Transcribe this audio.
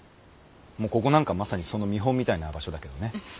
もうここなんかまさにその見本みたいな場所だけどね。